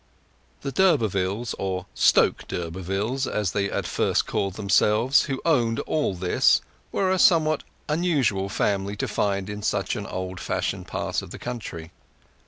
The d'Urbervilles—or Stoke d'Urbervilles, as they at first called themselves—who owned all this, were a somewhat unusual family to find in such an old fashioned part of the country.